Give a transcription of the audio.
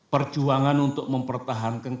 perjuangan untuk mempertahankan